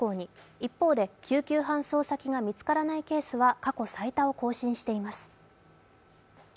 一方で、救急搬送先が見つからないケースは過去最多を更新しています。